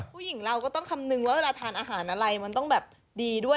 ผู้หญิงเราก็ต้องคำนึงว่าเวลาทานอาหารอะไรมันต้องแบบดีด้วย